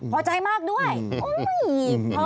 พอใจมากด้วยโอ้โฮ